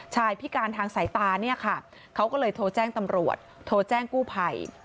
พิการทางสายตาเนี่ยค่ะเขาก็เลยโทรแจ้งตำรวจโทรแจ้งกู้ภัย